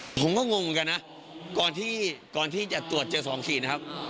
ผมก็งงเหมือนกันนะก่อนที่จะตรวจเจอ๒ขีดนะครับ